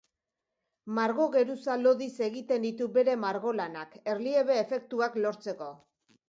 Margo-geruza lodiz egiten ditu bere margolanak, erliebe efektuak lortzeko.